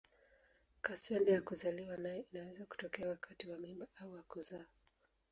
Kaswende ya kuzaliwa nayo inaweza kutokea wakati wa mimba au wa kuzaa.